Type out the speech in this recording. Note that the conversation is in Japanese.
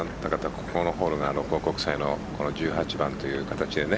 ここのホールが六甲国際の１８番という形でね